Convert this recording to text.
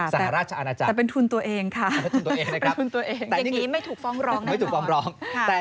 สหราชอาณาจักรแต่เป็นทุนตัวเองค่ะ